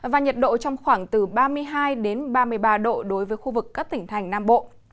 và nhiệt độ trong khoảng từ ba mươi hai ba mươi ba độ đối với khu vực các tỉnh thành nam bộ